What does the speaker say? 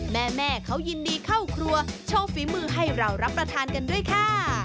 แม่เขายินดีเข้าครัวโชว์ฝีมือให้เรารับประทานกันด้วยค่ะ